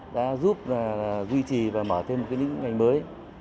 đã giúp duy trì và mở thêm các mặt hàng mới